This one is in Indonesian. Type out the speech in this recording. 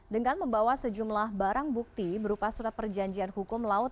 dengan membawa sejumlah barang bukti berupa surat perjanjian hukum laut